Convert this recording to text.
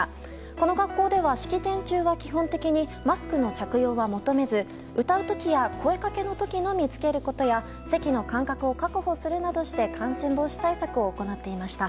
この学校では式典中は基本的にマスクの着用は求めず歌う時や声掛けの時のみ着けることや席の間隔を確保するなどして感染防止対策を行っていました。